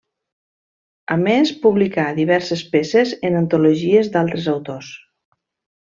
A més publicà diverses peces en antologies d'altres autors.